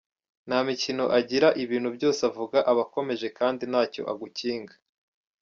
Nta mikino agira ibintu byose avuga aba akomeje kandi ntacyo agukinga.